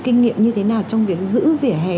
kinh nghiệm như thế nào trong việc giữ vỉa hè